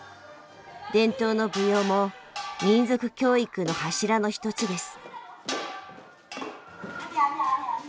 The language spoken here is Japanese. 伝統の舞踊も民族教育の柱の一つです。